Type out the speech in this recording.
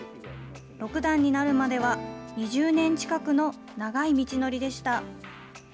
六段になるまでは２０年近くの長い道のりでした。